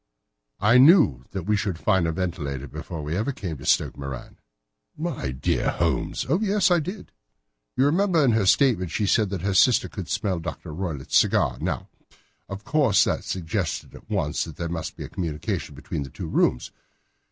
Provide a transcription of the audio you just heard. "I knew that we should find a ventilator before ever we came to Stoke Moran." "My dear Holmes!" "Oh, yes, I did. You remember in her statement she said that her sister could smell Dr. Roylott's cigar. Now, of course that suggested at once that there must be a communication between the two rooms.